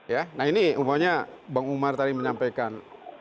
ya nah ini umpamanya bang umar tadi menyampaikan